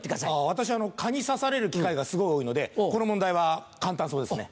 私蚊に刺される機会がすごい多いのでこの問題は簡単そうですね。